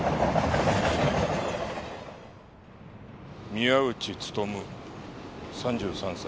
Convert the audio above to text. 宮内勉３３歳。